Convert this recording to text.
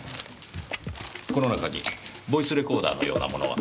この中にボイスレコーダーのようなものは？